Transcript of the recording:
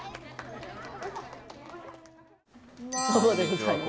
祖母でございます。